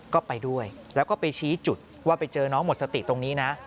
ก็ไปด้วยแล้วก็ไปชี้จุดว่าไปเจอน้องหมดสติตรงนี้นะ